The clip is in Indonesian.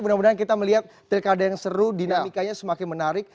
mudah mudahan kita melihat pilkada yang seru dinamikanya semakin menarik